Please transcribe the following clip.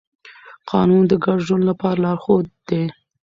قانون د ګډ ژوند لپاره لارښود دی.